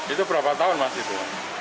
itu berapa tahun mas itu